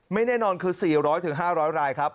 แน่นอนคือ๔๐๐๕๐๐รายครับ